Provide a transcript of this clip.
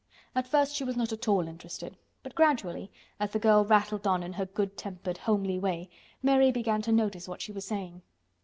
At first she was not at all interested, but gradually, as the girl rattled on in her good tempered, homely way, Mary began to notice what she was saying.